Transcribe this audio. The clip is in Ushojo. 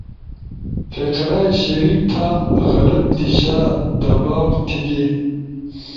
فقرے شریک تھا، غلط دیشا دباؤ تھیگی،